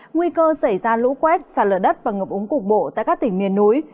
nguy cơ xảy ra lũ quét xả lở đất và ngập úng cục bộ tại các tỉnh miền núi